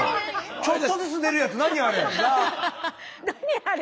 ちょっとずつ出るやつなにあれ⁉